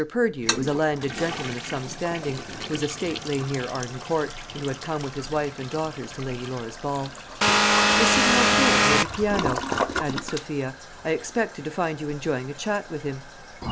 Purdew was a landed gentleman of some standing, whose estate lay near Arden Court, and who had come with his wife and daughters to Lady Laura's ball. "He in sitting over there, near the piano," added Sophia; "I expected to find you enjoying a chat with him."